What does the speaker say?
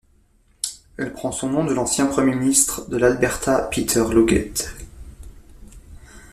Elle prend son nom de l'ancien premier ministre de l'Alberta Peter Lougheed.